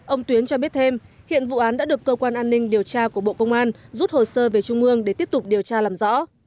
ông tuyến cho biết thêm hiện vụ án đã được cơ quan an ninh điều tra của bộ công an rút hồ sơ về trung ương để tiếp tục điều tra làm rõ